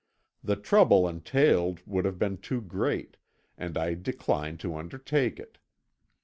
The trouble entailed would have been too great, and I declined to undertake it.